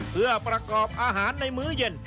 เพื่อประกอบอาหารในมื้อเย็น